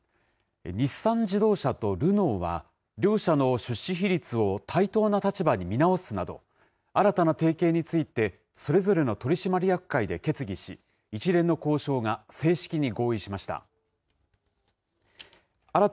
日産自動車とルノーは、両社の出資比率を対等な立場に見直すなど、新たな提携について、それぞれの取締役会で決議し、一連の交渉が正式に合意しました。